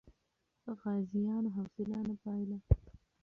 غازیانو حوصله نه بایله.